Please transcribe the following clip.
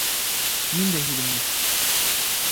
Ниндәй һүҙемде?